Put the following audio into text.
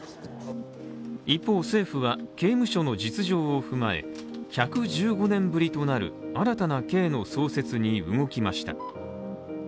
一方、政府は刑務所の実情を踏まえ、１１５年ぶりとなる新たな刑の創設に動きました。